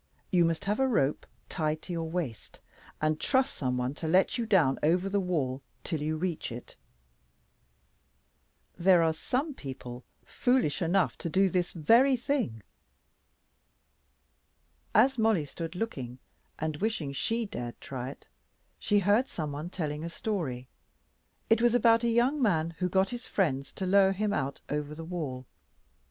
You must have a rope tied to your waist, and trust some one to let you down over the wall till you reach it. There are some people foolish enough to do this very thing. As Mollie stood looking and wishing she dared try it, she heard some one telling a story. It was about a young man who got his friends to lower him out over the wall.